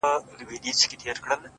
اوس يې څنگه ښه له ياده وباسم؛